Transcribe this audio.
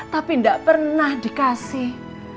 tapi gak pernah dikasih